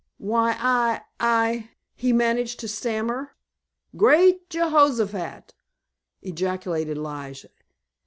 "Why I—I——" he managed to stammer. "Great Jehoshaphat!" ejaculated Lige.